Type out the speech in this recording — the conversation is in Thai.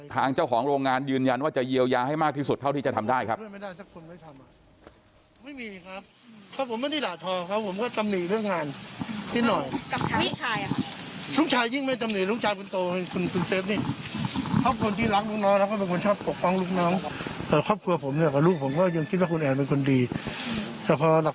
ทางเจ้าของโรงงานยืนยันว่าจะเยียวยาให้มากที่สุดเท่าที่จะทำได้ครับ